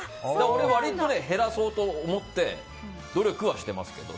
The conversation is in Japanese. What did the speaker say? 俺、割と減らそうと思って努力はしてますけど。